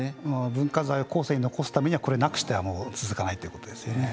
文化財を後世に残すためにはなくしては続かないですね。